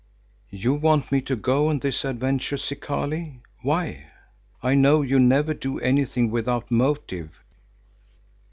"You want me to go on this adventure, Zikali. Why? I know you never do anything without motive."